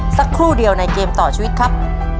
สักครู่เดียวในเกมต่อชีวิตครับ